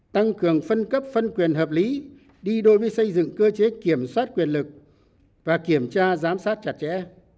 tăng cường phân cấp phân quyền hợp lý đi đôi với xây dựng cơ chế kiểm soát quyền lực và kiểm tra giám sát chặt chẽ